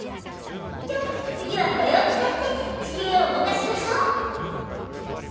じゃあ次はこれを使って地形を動かしましょう。